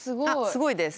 すごいです。